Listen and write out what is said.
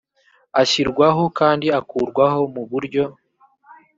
ashyirwaho kandi akurwaho mu buryo